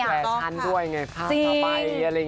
แก่ชั้นด้วยไงภาพต่อไปอะไรอย่างนี้